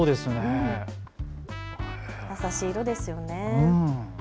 優しい色ですよね。